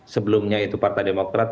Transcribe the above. sebelumnya itu partai demokrat